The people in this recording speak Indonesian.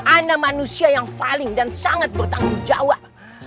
anda manusia yang paling dan sangat bertanggung jawab